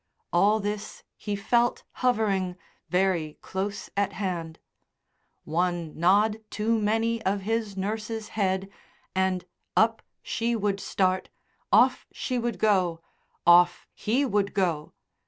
All this he felt hovering very close at hand; one nod too many of his nurse's head, and up she would start, off she would go, off he would go....